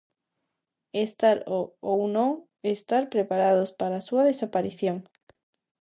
Estar o ou non estar preparados para a súa "desaparición".